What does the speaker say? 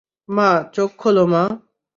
মা, চোখ খোল, মা।